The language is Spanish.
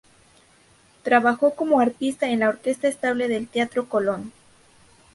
Trabajo como arpista en la Orquesta Estable del Teatro Colón.